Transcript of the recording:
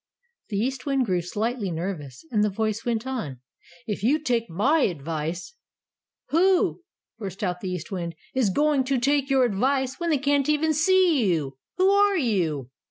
The East Wind grew slightly nervous. And the voice went on, "If you take MY advice " "Who," burst out the East Wind, "is going to take your advice when they can't even see you? Who are you?"